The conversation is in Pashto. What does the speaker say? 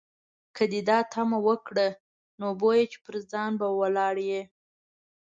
که دې دا تمه وکړه، نو بویه چې پر ځای به ولاړ یې.